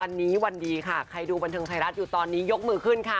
วันนี้วันดีค่ะใครดูบันเทิงไทยรัฐอยู่ตอนนี้ยกมือขึ้นค่ะ